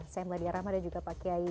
saya meladya rahman dan juga pak gaya